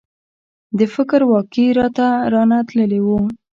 د فکر واګي رانه تللي وو.